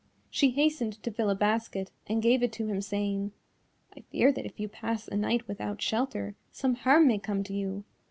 She hastened to fill a basket, and gave it to him, saying, "I fear that if you pass a night without shelter some harm may come to you.